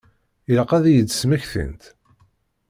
Ilaq ad iyi-d-smektint.